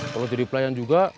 kalo jadi pelayan juga